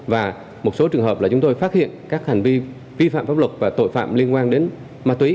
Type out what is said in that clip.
và một số trường hợp là chúng tôi phát hiện các hành vi vi phạm pháp luật và tội phạm liên quan đến ma túy